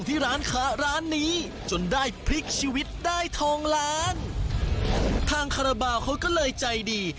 ทางคาราบาลเขาก็เลยใจดี